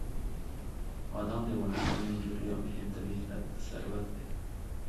بادام د افغانستان یو ډېر لوی او مهم طبعي ثروت دی.